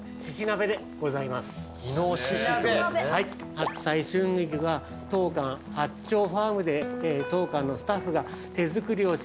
白菜春菊が当館八丁ファームで当館のスタッフが手作りをしました